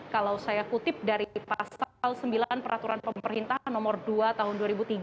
kalau saya kutip dari pasal sembilan peraturan pemerintahan nomor dua tahun dua ribu tiga